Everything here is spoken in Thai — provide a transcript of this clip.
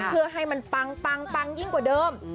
เพื่อให้มันปังยิ่งกว่าเดิม